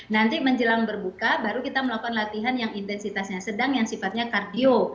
nanti menjelang berbuka baru kita melakukan latihan yang intensitasnya sedang yang sifatnya kardio